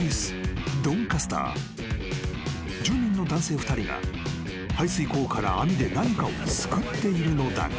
［住民の男性２人が排水溝から網で何かをすくっているのだが］